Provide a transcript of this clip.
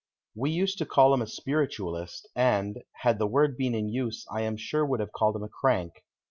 We used to call him a Spiritualist, and, had the word been in use, I am sure would have called him a crank.